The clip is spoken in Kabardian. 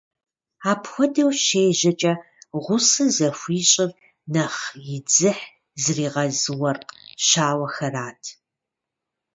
Апхуэдэу щежьэкӀэ гъусэ зыхуищӀыр нэхъ и дзыхь зригъэз уэркъ щауэхэрат.